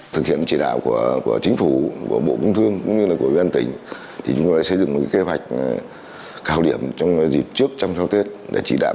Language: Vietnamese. thực hiện chỉ đạo của chính phủ của bộ cung thương cũng như là của ubnd tỉnh chúng tôi đã xây dựng một kế hoạch cao điểm trong dịp trước trong tháng tết để chỉ đạo